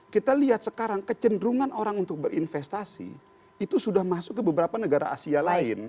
kita lihat sekarang kecenderungan orang untuk berinvestasi itu sudah masuk ke beberapa negara asia lain